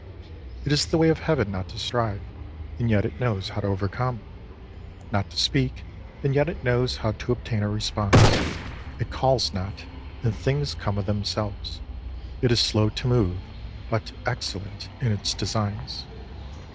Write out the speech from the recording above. It is the Way of Heaven not to strive, and yet it knows how to overcome ; not to speak, and yet it knows how to obtain a response ; it calls not, and things come of themselves ; it is slow to move, but excellent in its designs.